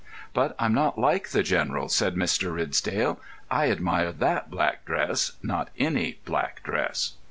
"But I'm not like the General," said Mr. Ridsdale. "I admire that black dress, not any black dress."